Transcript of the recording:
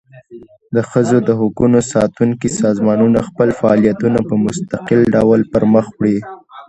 د ښځو د حقوقو ساتونکي سازمانونه خپل فعالیتونه په مستقل ډول پر مخ وړي.